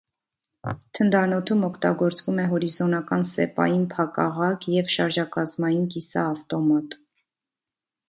Թնդանոթում օգտագործվում է հորիզոնական սեպային փակաղակ և շարժակազմային կիսաավտոմատ։